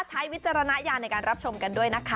วิจารณญาณในการรับชมกันด้วยนะคะ